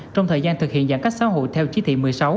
trong thời gian thực hiện giãn cách xã hội theo chỉ thị một mươi sáu